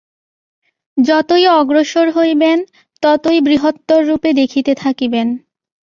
যতই অগ্রসর হইবেন, ততই বৃহত্তররূপে দেখিতে থাকিবেন।